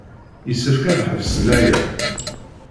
Yessefk ad ḥebsen aya.